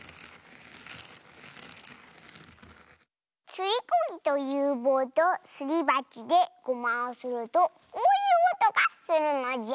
すりこぎというぼうとすりばちでゴマをするとこういうおとがするのじゃ。